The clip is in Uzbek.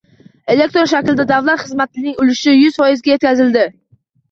Elektron shakldagi davlat xizmatlarining ulushi yuz foizga yetkaziladi.